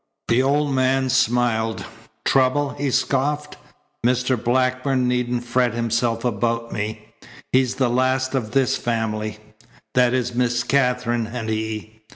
The old man smiled. "Trouble!" he scoffed. "Mr. Blackburn needn't fret himself about me. He's the last of this family that is Miss Katherine and he.